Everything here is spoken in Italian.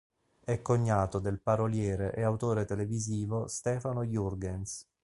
È cognato del paroliere e autore televisivo Stefano Jurgens.